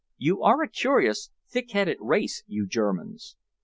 You're a curious, thick headed race, you Germans."